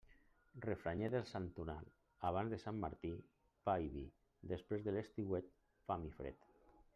Refranyer del santoral Abans de Sant Martí, pa i vi; després de l'estiuet, fam i fred.